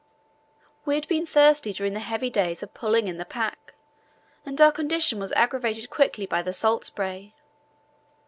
We had been thirsty during the days of heavy pulling in the pack, and our condition was aggravated quickly by the salt spray.